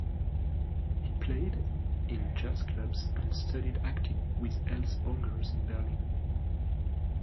He played in jazz clubs and studied acting with Else Bongers in Berlin.